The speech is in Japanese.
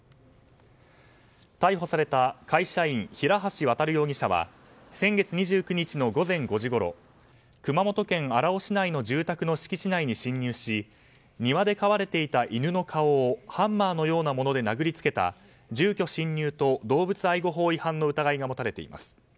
逮捕された会社員平橋渉容疑者は先月２９日の午前５時ごろ熊本県荒尾市内の住宅の敷地内に侵入に庭で飼われていた犬の顔をハンマーのようなもので殴りつけた住居侵入と動物愛護法違反の疑いが持たれています。